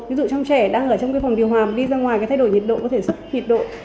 ví dụ trong trẻ đang ở trong phòng điều hòa mà đi ra ngoài thay đổi nhiệt độ có thể sốc nhiệt độ